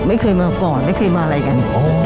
ไม่เคยมาก่อนไม่เคยมาอะไรกัน